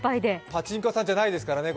パチンコ屋さんじゃないですからね。